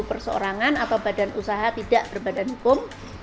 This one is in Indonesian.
perseorangan atau badan usaha tidak berbadan hukum